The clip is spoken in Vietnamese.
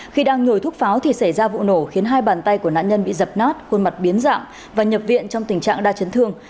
khi đang nhồi thuốc pháo thì xảy ra vụ nổ khiến hai bàn tay của nạn nhân bị dập nát khuôn mặt biến dạng và nhập viện trong tình trạng đa chấn thương